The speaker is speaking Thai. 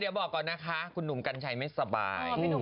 เดี๋ยวบอกก่อนนะคะคุณหนุ่มกัญชัยไม่สบาย